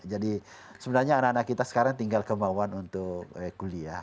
sebenarnya anak anak kita sekarang tinggal kemauan untuk kuliah